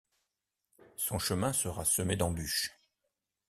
Son chemin sera semé d'embûches.